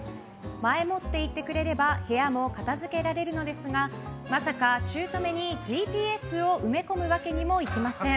前もって言ってくれれば部屋も片づけられるのですがまさか姑にＧＰＳを埋め込むわけにもいきません。